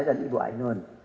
dan ibu ainun